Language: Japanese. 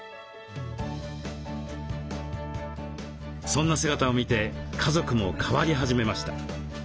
そんな姿を見て家族も変わり始めました。